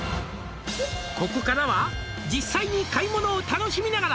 「ここからは実際に買い物を楽しみながら」